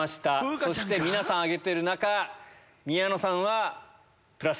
そして皆さん挙げてる中宮野さんはプラス？